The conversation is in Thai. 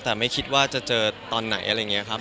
แต่ไม่คิดว่าจะเจอตอนไหนอะไรอย่างนี้ครับ